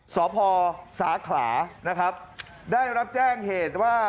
สพสาขราได้รับแจ้งเหตุว่า